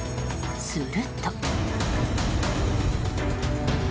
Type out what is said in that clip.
すると。